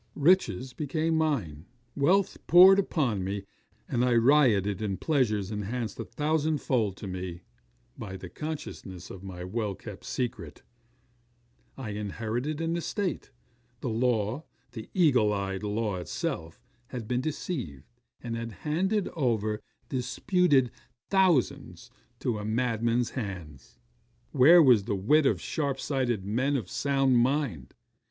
'Riches became mine, wealth poured in upon me, and I rioted in pleasures enhanced a thousandfold to me by the consciousness of my well kept secret. I inherited an estate. The law the eagle eyed law itself had been deceived, and had handed over disputed thousands to a madman's hands. Where was the wit of the sharp sighted men of sound mind?